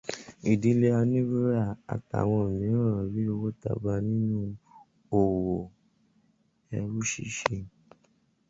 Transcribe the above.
Ìdílé Aníwúrà àtàwọn mìíràn rí owó tabua nínú òwò ẹrú ṣíṣe.